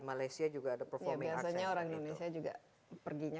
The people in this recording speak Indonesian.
malaysia juga ada performa yang banyaknya orang indonesia juga